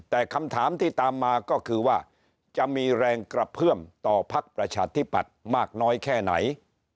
แต่คำถามที่ตามมาก็คือว่าจะมีแรงกระเพื่อมต่อพักประชาธิปัตย์มากน้อยแค่ไหน